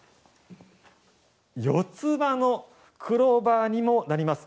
四つ葉のクローバーにもなります。